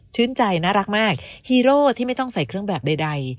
ใจน่ารักมากฮีโร่ที่ไม่ต้องใส่เครื่องแบบใด